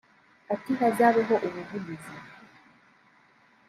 Ati “Hazabeho ubuvugizi